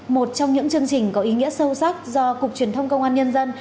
một trong những chương trình có ý nghĩa sâu sắc do cục truyền thông công an nhân dân